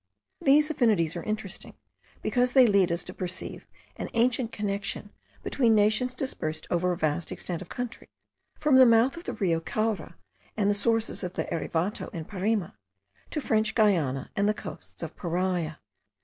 These affinities are interesting, because they lead us to perceive an ancient connection between nations dispersed over a vast extent of country, from the mouth of the Rio Caura and the sources of the Erevato, in Parima, to French Guiana, and the coasts of Paria.